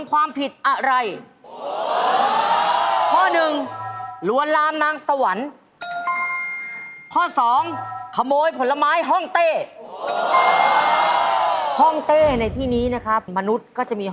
น่าจะรวนลามนางสวรรค์เนี่ย